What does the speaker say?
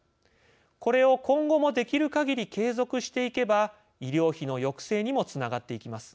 これを今後もできるかぎり継続していけば医療費の抑制にもつながっていきます。